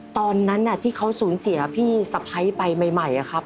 ตอนนั้นที่เขาสูญเสียพี่สะพ้ายไปใหม่ครับ